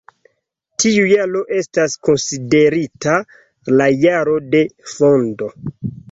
Tiu jaro estas konsiderita la jaro de fondo.